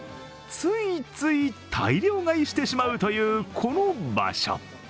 ついつい大量買いしてしまうというこの場所。